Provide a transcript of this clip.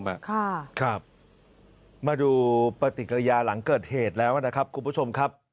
มาดูปฏิกิริยาหลังเกิดเหตุแล้วนะครับคุณผู้ชมครับ